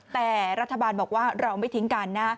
แต่รัฐบาลบอกว่าเราไม่ทิ้งกันนะ